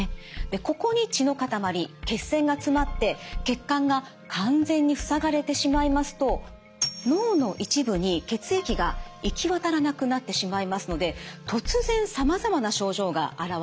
ここに血のかたまり血栓が詰まって血管が完全に塞がれてしまいますと脳の一部に血液が行き渡らなくなってしまいますので突然さまざまな症状が現れるんです。